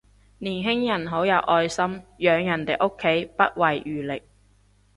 年輕人好有愛心，養人哋屋企不遺餘力